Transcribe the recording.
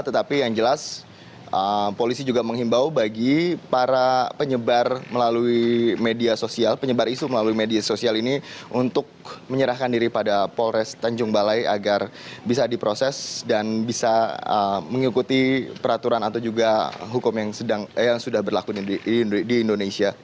tetapi yang jelas polisi juga menghimbau bagi para penyebar melalui media sosial penyebar isu melalui media sosial ini untuk menyerahkan diri pada polres tanjung balai agar bisa diproses dan bisa mengikuti peraturan atau juga hukum yang sudah berlaku di indonesia